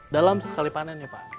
dalam sekali panen nih pak